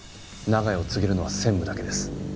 長屋を継げるのは専務だけです。